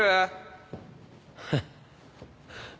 フッ。